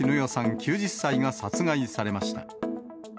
９０歳が殺害されました。